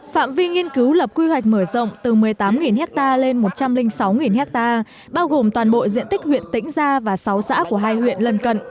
phạm vi nghiên cứu lập quy hoạch mở rộng từ một mươi tám ha lên một trăm linh sáu ha bao gồm toàn bộ diện tích huyện tĩnh gia và sáu xã của hai huyện lần cận